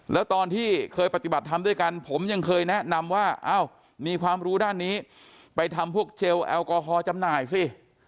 แล้วตอนที่เคยปฏิบัติธรรมด้วยกันผมยังเคยแนะนำว่ามีความรู้ด้านนี้ไปทำพวกเจลแอลกอฮอล์จำหน่ายสิ